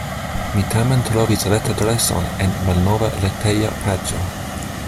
Mi tamen trovis retadreson en malnova reteja paĝo.